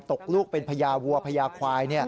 ตกลูกเป็นพญาวัวพญาควาย